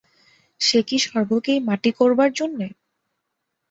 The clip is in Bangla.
সে কি স্বর্গকেই মাটি করবার জন্যে?